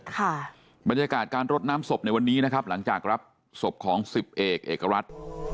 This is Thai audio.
ค่ะบรรยากาศการรดน้ำศพในวันนี้นะครับหลังจากรับศพของสิบเอกเอกรัฐ